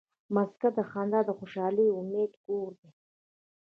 مځکه د خندا، خوشحالۍ او امید کور دی.